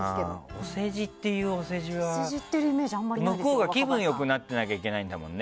お世辞っていうお世辞は向こうが気分良くなってなきゃいけないんだもんね。